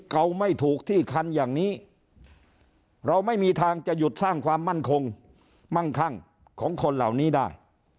เก่าไม่ถูกที่คันอย่างนี้เราไม่มีทางจะหยุดสร้างความมั่นคงมั่งคั่งของคนเหล่านี้ได้